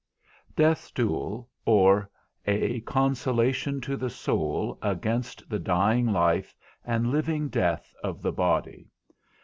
DEATH'S DUEL, _OR, A CONSOLATION TO THE SOUL AGAINST THE DYING LIFE AND LIVING DEATH OF THE BODY.